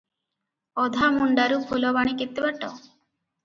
ଅଧାମୁଣ୍ଡାରୁ ଫୁଲବାଣୀ କେତେ ବାଟ?